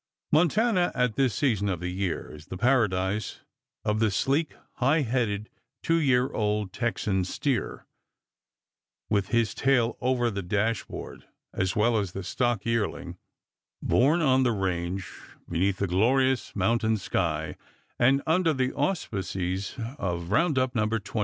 Montana, at this season of the year, is the paradise of the sleek, high headed, 2 year old Texan steer, with his tail over the dashboard, as well as the stock yearling, born on the range, beneath the glorious mountain sky and under the auspices of roundup No. 21.